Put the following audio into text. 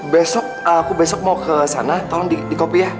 besok aku besok mau ke sana tolong di kopi ya